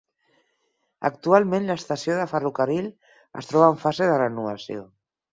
Actualment l'estació de ferrocarril es troba en fase de renovació.